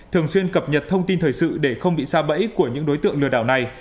thường xuyên cập nhật thông tin thời sự để không bị xa bẫy của những đối tượng lừa đảo này